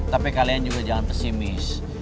tapi kalian juga jangan pesimis